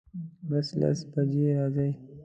بس لس بجی راځي